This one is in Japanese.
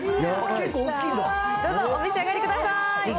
お召し上がりください。